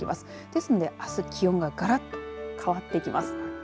ですので、あす気温ががらっと変わってきます。